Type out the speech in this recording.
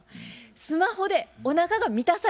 スマホでおなかが満たされますか？